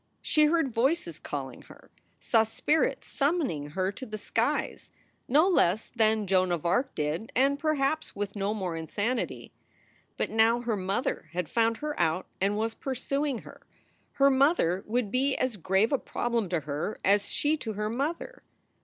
She heard voices calling her, saw spirits summoning her to the skies, no less than Joan of Arc did, and perhaps with no more insanity. But now her mother had found her out and was pursuing her. Her mother would be as grave a problem to her as she to her mother.